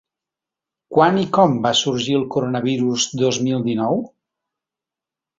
Quan i com va sorgir el coronavirus dos mil dinou?